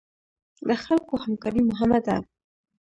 د خلکو همکاري مهمه ده